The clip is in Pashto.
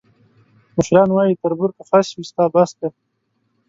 مشران وایي: تربور که خس وي، ستا بس دی.